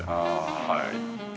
はい。